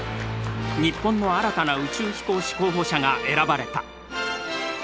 日本の新たな宇宙飛行士候補者が選ばれた。